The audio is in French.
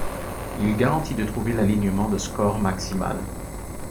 Il garantit de trouver l'alignement de score maximal.